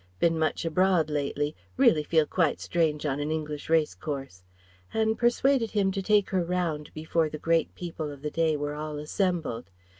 Been much abroad lately really feel quite strange on an English race course," and persuaded him to take her round before the great people of the day were all assembled.